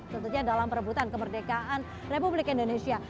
tentunya dalam perebutan kemerdekaan republik indonesia